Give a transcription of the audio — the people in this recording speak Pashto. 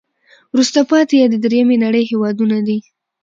وروسته پاتې یا د دریمې نړی هېوادونه دي.